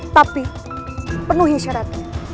tapi penuhi syarat